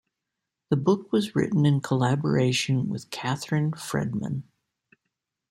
The book was written in collaboration with Catherine Fredman.